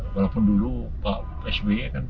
walaupun dulu pak sby kan